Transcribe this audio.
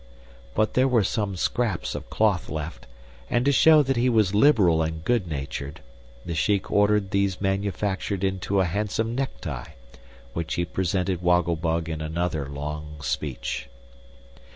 But there were some scraps of cloth left, and to show that he was liberal and good natured, the Shiek ordered these manufactured into a handsome necktie, which he presented Woggle Bug in another long speech.